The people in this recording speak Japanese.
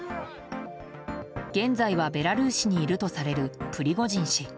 現在はベラルーシにいるとされるプリゴジン氏。